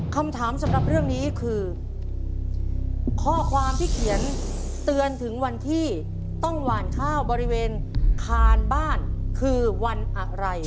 คำถามสำหรับเรื่องนี้คือข้อความที่เขียนเตือนถึงวันที่ต้องหวานข้าวบริเวณคานบ้านคือวันอะไร